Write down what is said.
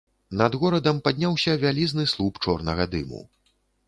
Над горадам падняўся вялізны слуп чорнага дыму.